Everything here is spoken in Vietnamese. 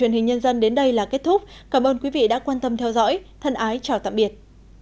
truyền hình nhân dân đến đây là kết thúc cảm ơn quý vị đã quan tâm theo dõi thân ái chào tạm biệt